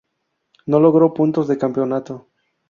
No logró puntos de campeonato.